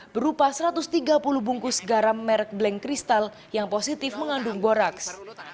berupa satu ratus tiga puluh bungkus garam merek blank kristal yang positif mengandung boraks